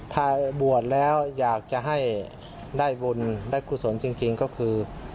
ถ้าบวชแล้วอยากจะให้ได้บุญได้กุศลจริงก็คือ